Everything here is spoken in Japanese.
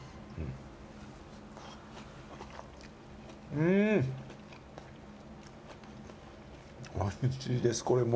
うん、おいしいです、これも。